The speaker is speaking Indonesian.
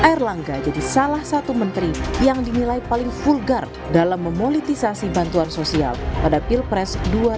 erlangga jadi salah satu menteri yang dinilai paling vulgar dalam memolitisasi bantuan sosial pada pilpres dua ribu sembilan belas